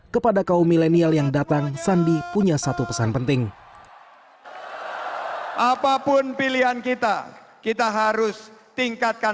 kepada kaum milenial yang datang sandi punya satu pesan penting